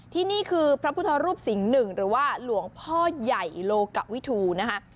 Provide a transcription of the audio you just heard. ที่นี่คือพระพุทธรูปสิงห์หนึ่งหรือว่าหลวงพ่อใหญ่โลกวิทูนะคะ